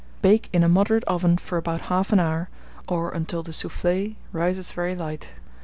Bake in a moderate oven for about 1/2 hour, or until the soufflé rises very light.